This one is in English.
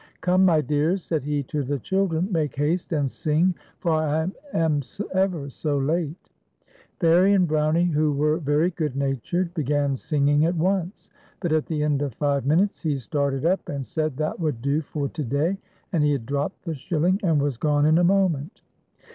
"Come, my dears," said he to the children, "make haste and sing, for I am ever so late." Fairie and Brownie, who were very good natured, began singing at once ; but at the end of five minutes he started up and said that would do for to day, and he had dropped the shilling, and was gone in a moment.